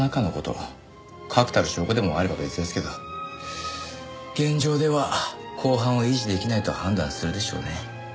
確たる証拠でもあれば別ですけど現状では公判を維持出来ないと判断するでしょうね。